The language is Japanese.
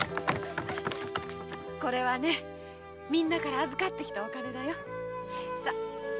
これはみんなから預かってきたお金よ。